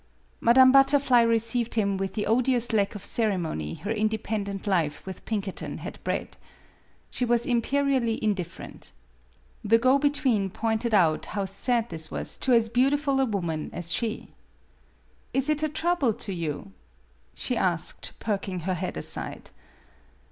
Madame Butterfly received him with the odious lack of ceremony her independent life with Pinkerton had bred. She was imperially indifferent. The go between pointed out how sad this was to as beau tiful a woman as she. " Is it a trouble to you ?" she asked, perking her head aside.